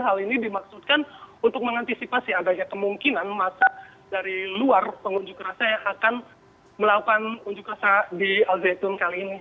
hal ini dimaksudkan untuk mengantisipasi adanya kemungkinan masa dari luar pengunjuk rasa yang akan melakukan unjuk rasa di al zaitun kali ini